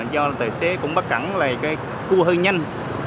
do tài xế cũng bắt cản lại cái cua hư nhanh